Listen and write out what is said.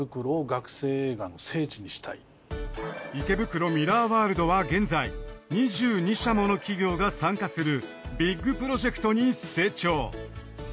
池袋ミラーワールドは現在２２社もの企業が参加するビッグプロジェクトに成長。